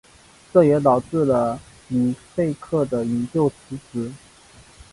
这也导致了里贝克的引咎辞职。